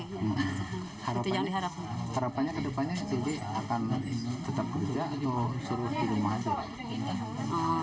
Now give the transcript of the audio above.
harapannya ke depannya sendiri akan tetap kerja atau suruh di rumah aja